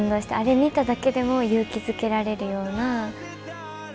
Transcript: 見ただけでも勇気づけられるような。